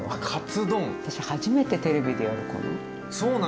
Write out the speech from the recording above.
私初めてテレビでやるかな。